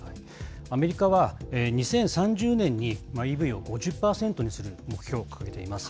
アメリカは２０３０年にＥＶを５０％にする目標を掲げています。